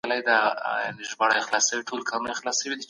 ځکه پر هغې باندي د خاوند سره سفر کول واجب دي.